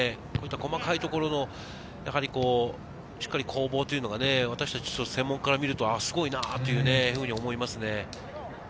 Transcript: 細かいところの、しっかり攻防というのが、私たち専門家から見るとすごいなと思いますね。